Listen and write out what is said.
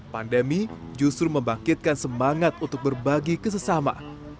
pandemi justru membangkitkan semangat untuk berbagi kesesama